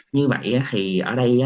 như vậy thì ở đây